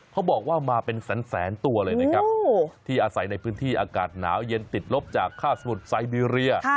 เขาบอกว่ามาเป็นแสนตัวเลยนะครับที่อาศัยในพื้นที่อากาศหนาวเย็นติดลบจากฆ่าสมุทรไซบีเรีย